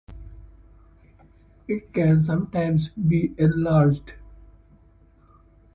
It can sometimes be enlarged.